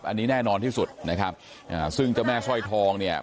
อันนี้แน่นอนที่สุดนะครับอ่าซึ่งเจ้าแม่สร้อยทองเนี่ย